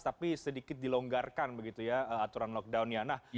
tapi sedikit dilonggarkan aturan lockdown nya